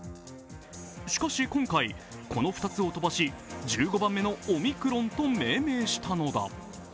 しかし、今回、この２つを飛ばし、１５番目のオミクロンと命名したのだ。